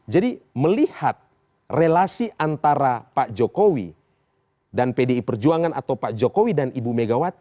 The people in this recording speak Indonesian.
jadi melihat relasi antara pak jokowi dan pdi perjuangan atau pak jokowi dan ibu megawati